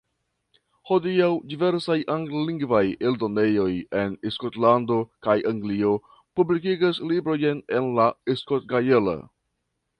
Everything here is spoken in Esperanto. Hodiaŭ diversaj anglalingvaj eldonejoj en Skotlando kaj Anglio publikigas librojn en la skotgaela.